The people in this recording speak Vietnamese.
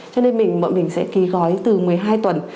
cho nên bọn mình sẽ kỳ gói từ một mươi hai tuần